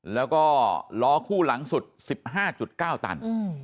แล้วก็ล้อคู่หลังสุด๑๕๙ตัน